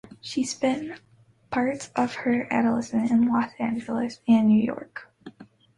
She spent part of her adolescence in Los Angeles and New York City.